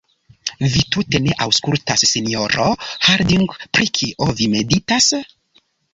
Vi tute ne aŭskultas, sinjoro Harding; pri kio vi meditas?